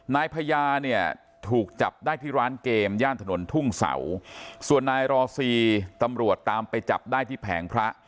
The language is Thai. นายพญาเนี่ยถูกจับได้ที่ร้านเกมย่านถนนทุ่งเสาส่วนนายรอซีตำรวจตามไปจับได้ที่แผงพระ